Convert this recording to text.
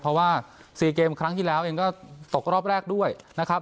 เพราะว่า๔เกมครั้งที่แล้วเองก็ตกรอบแรกด้วยนะครับ